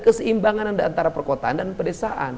keseimbangan antara perkotaan dan pedesaan